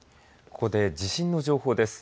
ここで地震の情報です。